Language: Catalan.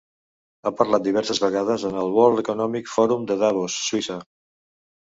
Ha parlat diverses vegades en el World Economic Forum en Davos, Suïssa.